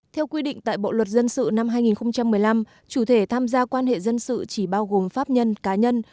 theo quy định tại bộ luật dân sự năm hai nghìn một mươi năm chủ thể tham gia quan hệ dân sự chỉ bao gồm pháp nhân cá nhân